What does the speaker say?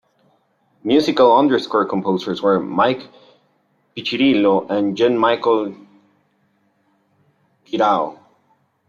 Musical underscore composers were Mike Piccirillo and Jean-Michel Guirao.